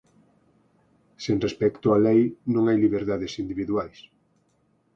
Sen respecto á lei, non hai liberdades individuais.